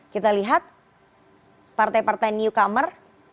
kita lihat partai partai newcomer